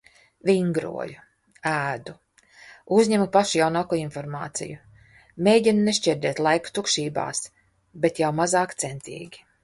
Vingroju. Ēdu. Uzņemu pašu jaunāko informāciju. Mēģinu nešķērdēt laiku tukšībās, bet jau mazāk centīgi.